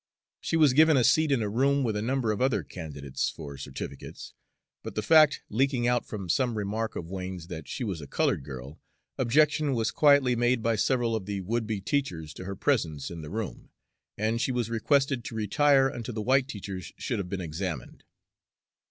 She was given a seat in a room with a number of other candidates for certificates, but the fact leaking out from some remark of Wain's that she was a colored girl, objection was quietly made by several of the would be teachers to her presence in the room, and she was requested to retire until the white teachers should have been examined.